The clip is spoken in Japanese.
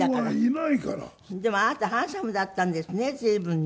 でもあなたハンサムだったんですね随分ね。